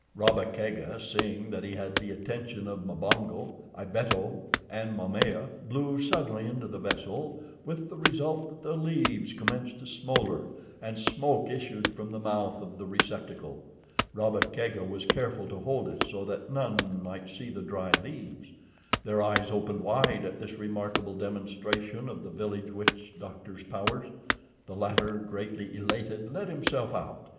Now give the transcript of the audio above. Rabba Kega, seeing that he had the attention of Mbonga, Ibeto, and Momaya, blew suddenly into the vessel, with the result that the leaves commenced to smolder, and smoke issued from the mouth of the receptacle. Rabba Kega was careful to hold it so that none might see the dry leaves. Their eyes opened wide at this remarkable demonstration of the village witch doctor's powers. The latter, greatly elated, let himself out.